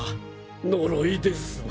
呪いです。